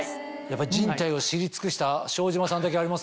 人体を知り尽くした庄島さんだけありますね。